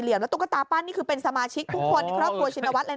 แล้วตุ๊กตาปั้นนี่คือเป็นสมาชิกทุกคนในครอบครัวชินวัฒน์เลยนะ